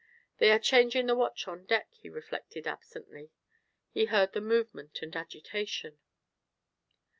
They are changing the watch on deck, he reflected absently; he heard the movement and agitation.